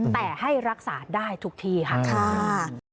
แต่ให้รักษาได้ทุกที่ค่ะ